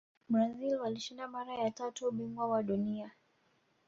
brazil walishinda mara ya tatu ubingwa wa dunia